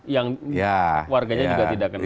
yang warganya juga tidak kenal